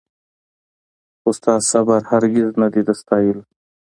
خو ستا صبر هرګز نه دی د ستایلو